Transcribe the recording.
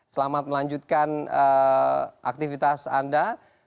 selamat melanjutkan aktivitas anda